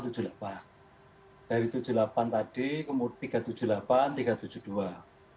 dari tujuh puluh delapan tadi kemudian tiga ratus tujuh puluh delapan tiga ratus tujuh puluh dua